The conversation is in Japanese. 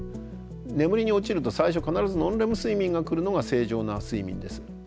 眠りに落ちると最初必ずノンレム睡眠が来るのが正常な睡眠です。